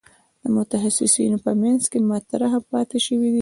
د متخصصانو په منځ کې مطرح پاتې شوې ده.